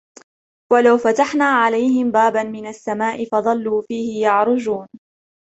ولو فتحنا عليهم بابا من السماء فظلوا فيه يعرجون